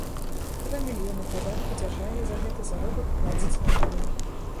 Два мільёны падатку дзяржаве за гэты заробак плаціць наймальнік.